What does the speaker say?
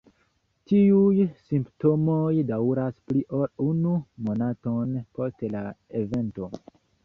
Tiuj simptomoj daŭras pli ol unu monaton post la evento.